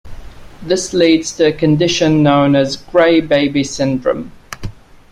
This leads to a condition known as gray baby syndrome.